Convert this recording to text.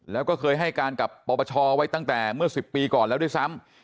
แล้วก็เคยให้การกับปปชไว้ตั้งแต่เมื่อ๑๐ปีก่อนแล้วด้วยซ้ำ